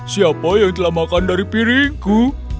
siapa yang telah makan dari piringku